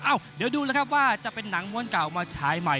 อ้าวเดี๋ยวดูเลยครับว่าจะเป็นหนังม้วนเก่ามาใช้ใหม่